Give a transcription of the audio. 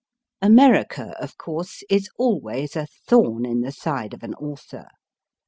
America, of course, is always a thorn in the side of an author.